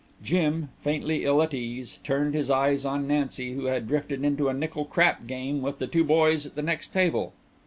Jim, faintly ill at ease, turned his eyes on Nancy, who had drifted into a nickel crap game with the two boys at the next table.